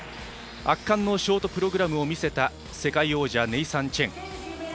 圧巻のショートプログラムを見せた世界王者ネイサン・チェン。